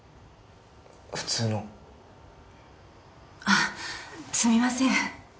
普通のあっすみません